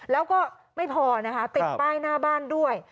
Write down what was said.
แล้วก็ไม่พอนะคะติดป้ายหน้าบ้านด้วย